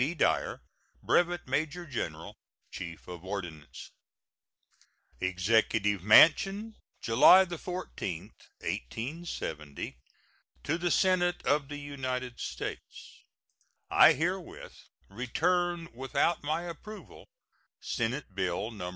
B. DYER, Brevet Major General, Chief of Ordnance. EXECUTIVE MANSION, July 14, 1870. To the Senate of the United States: I herewith return without my approval Senate bill No.